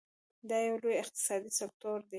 دا یو لوی اقتصادي سکتور دی.